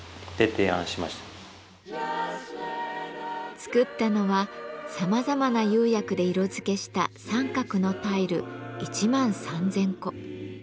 作ったのはさまざまな釉薬で色づけした三角のタイル１万３，０００個。